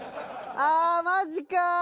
あー、マジか。